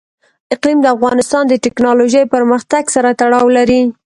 اقلیم د افغانستان د تکنالوژۍ پرمختګ سره تړاو لري.